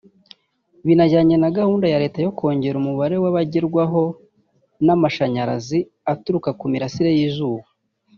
binajyanye na gahunda ya Leta yo kongera umubare w’abagerwaho n’amashanyarazi aturuka ku mirasire y’izuba